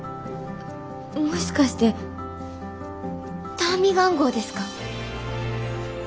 もしかしてターミガン号ですか？